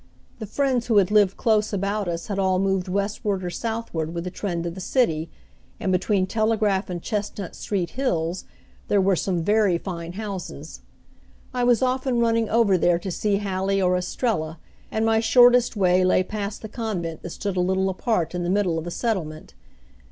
The friends who had lived close about us had all moved westward or southward with the trend of the city, and between Telegraph and Chestnut Street Hills there were some very, fine houses. I was often running over there to see Hallie or Estrella, and my shortest way lay past the convent that stood a little apart in the middle of the settlement.